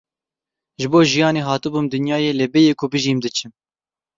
Ji bo jiyanê hatibûm dinyayê lê bêyî ku bijîm diçim.